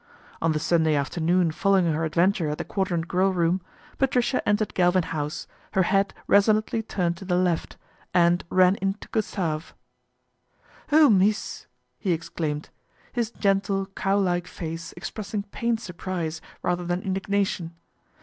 On the Sunday afternoon following her adven ture at the Quadrant Grill room, Patricia entered Galvin House, her head resolutely turned to the left, and ran into Gustave. "Oh, mees!" he exclaimed, his gentle, cow like face expressing pained surprise, rather than indignation.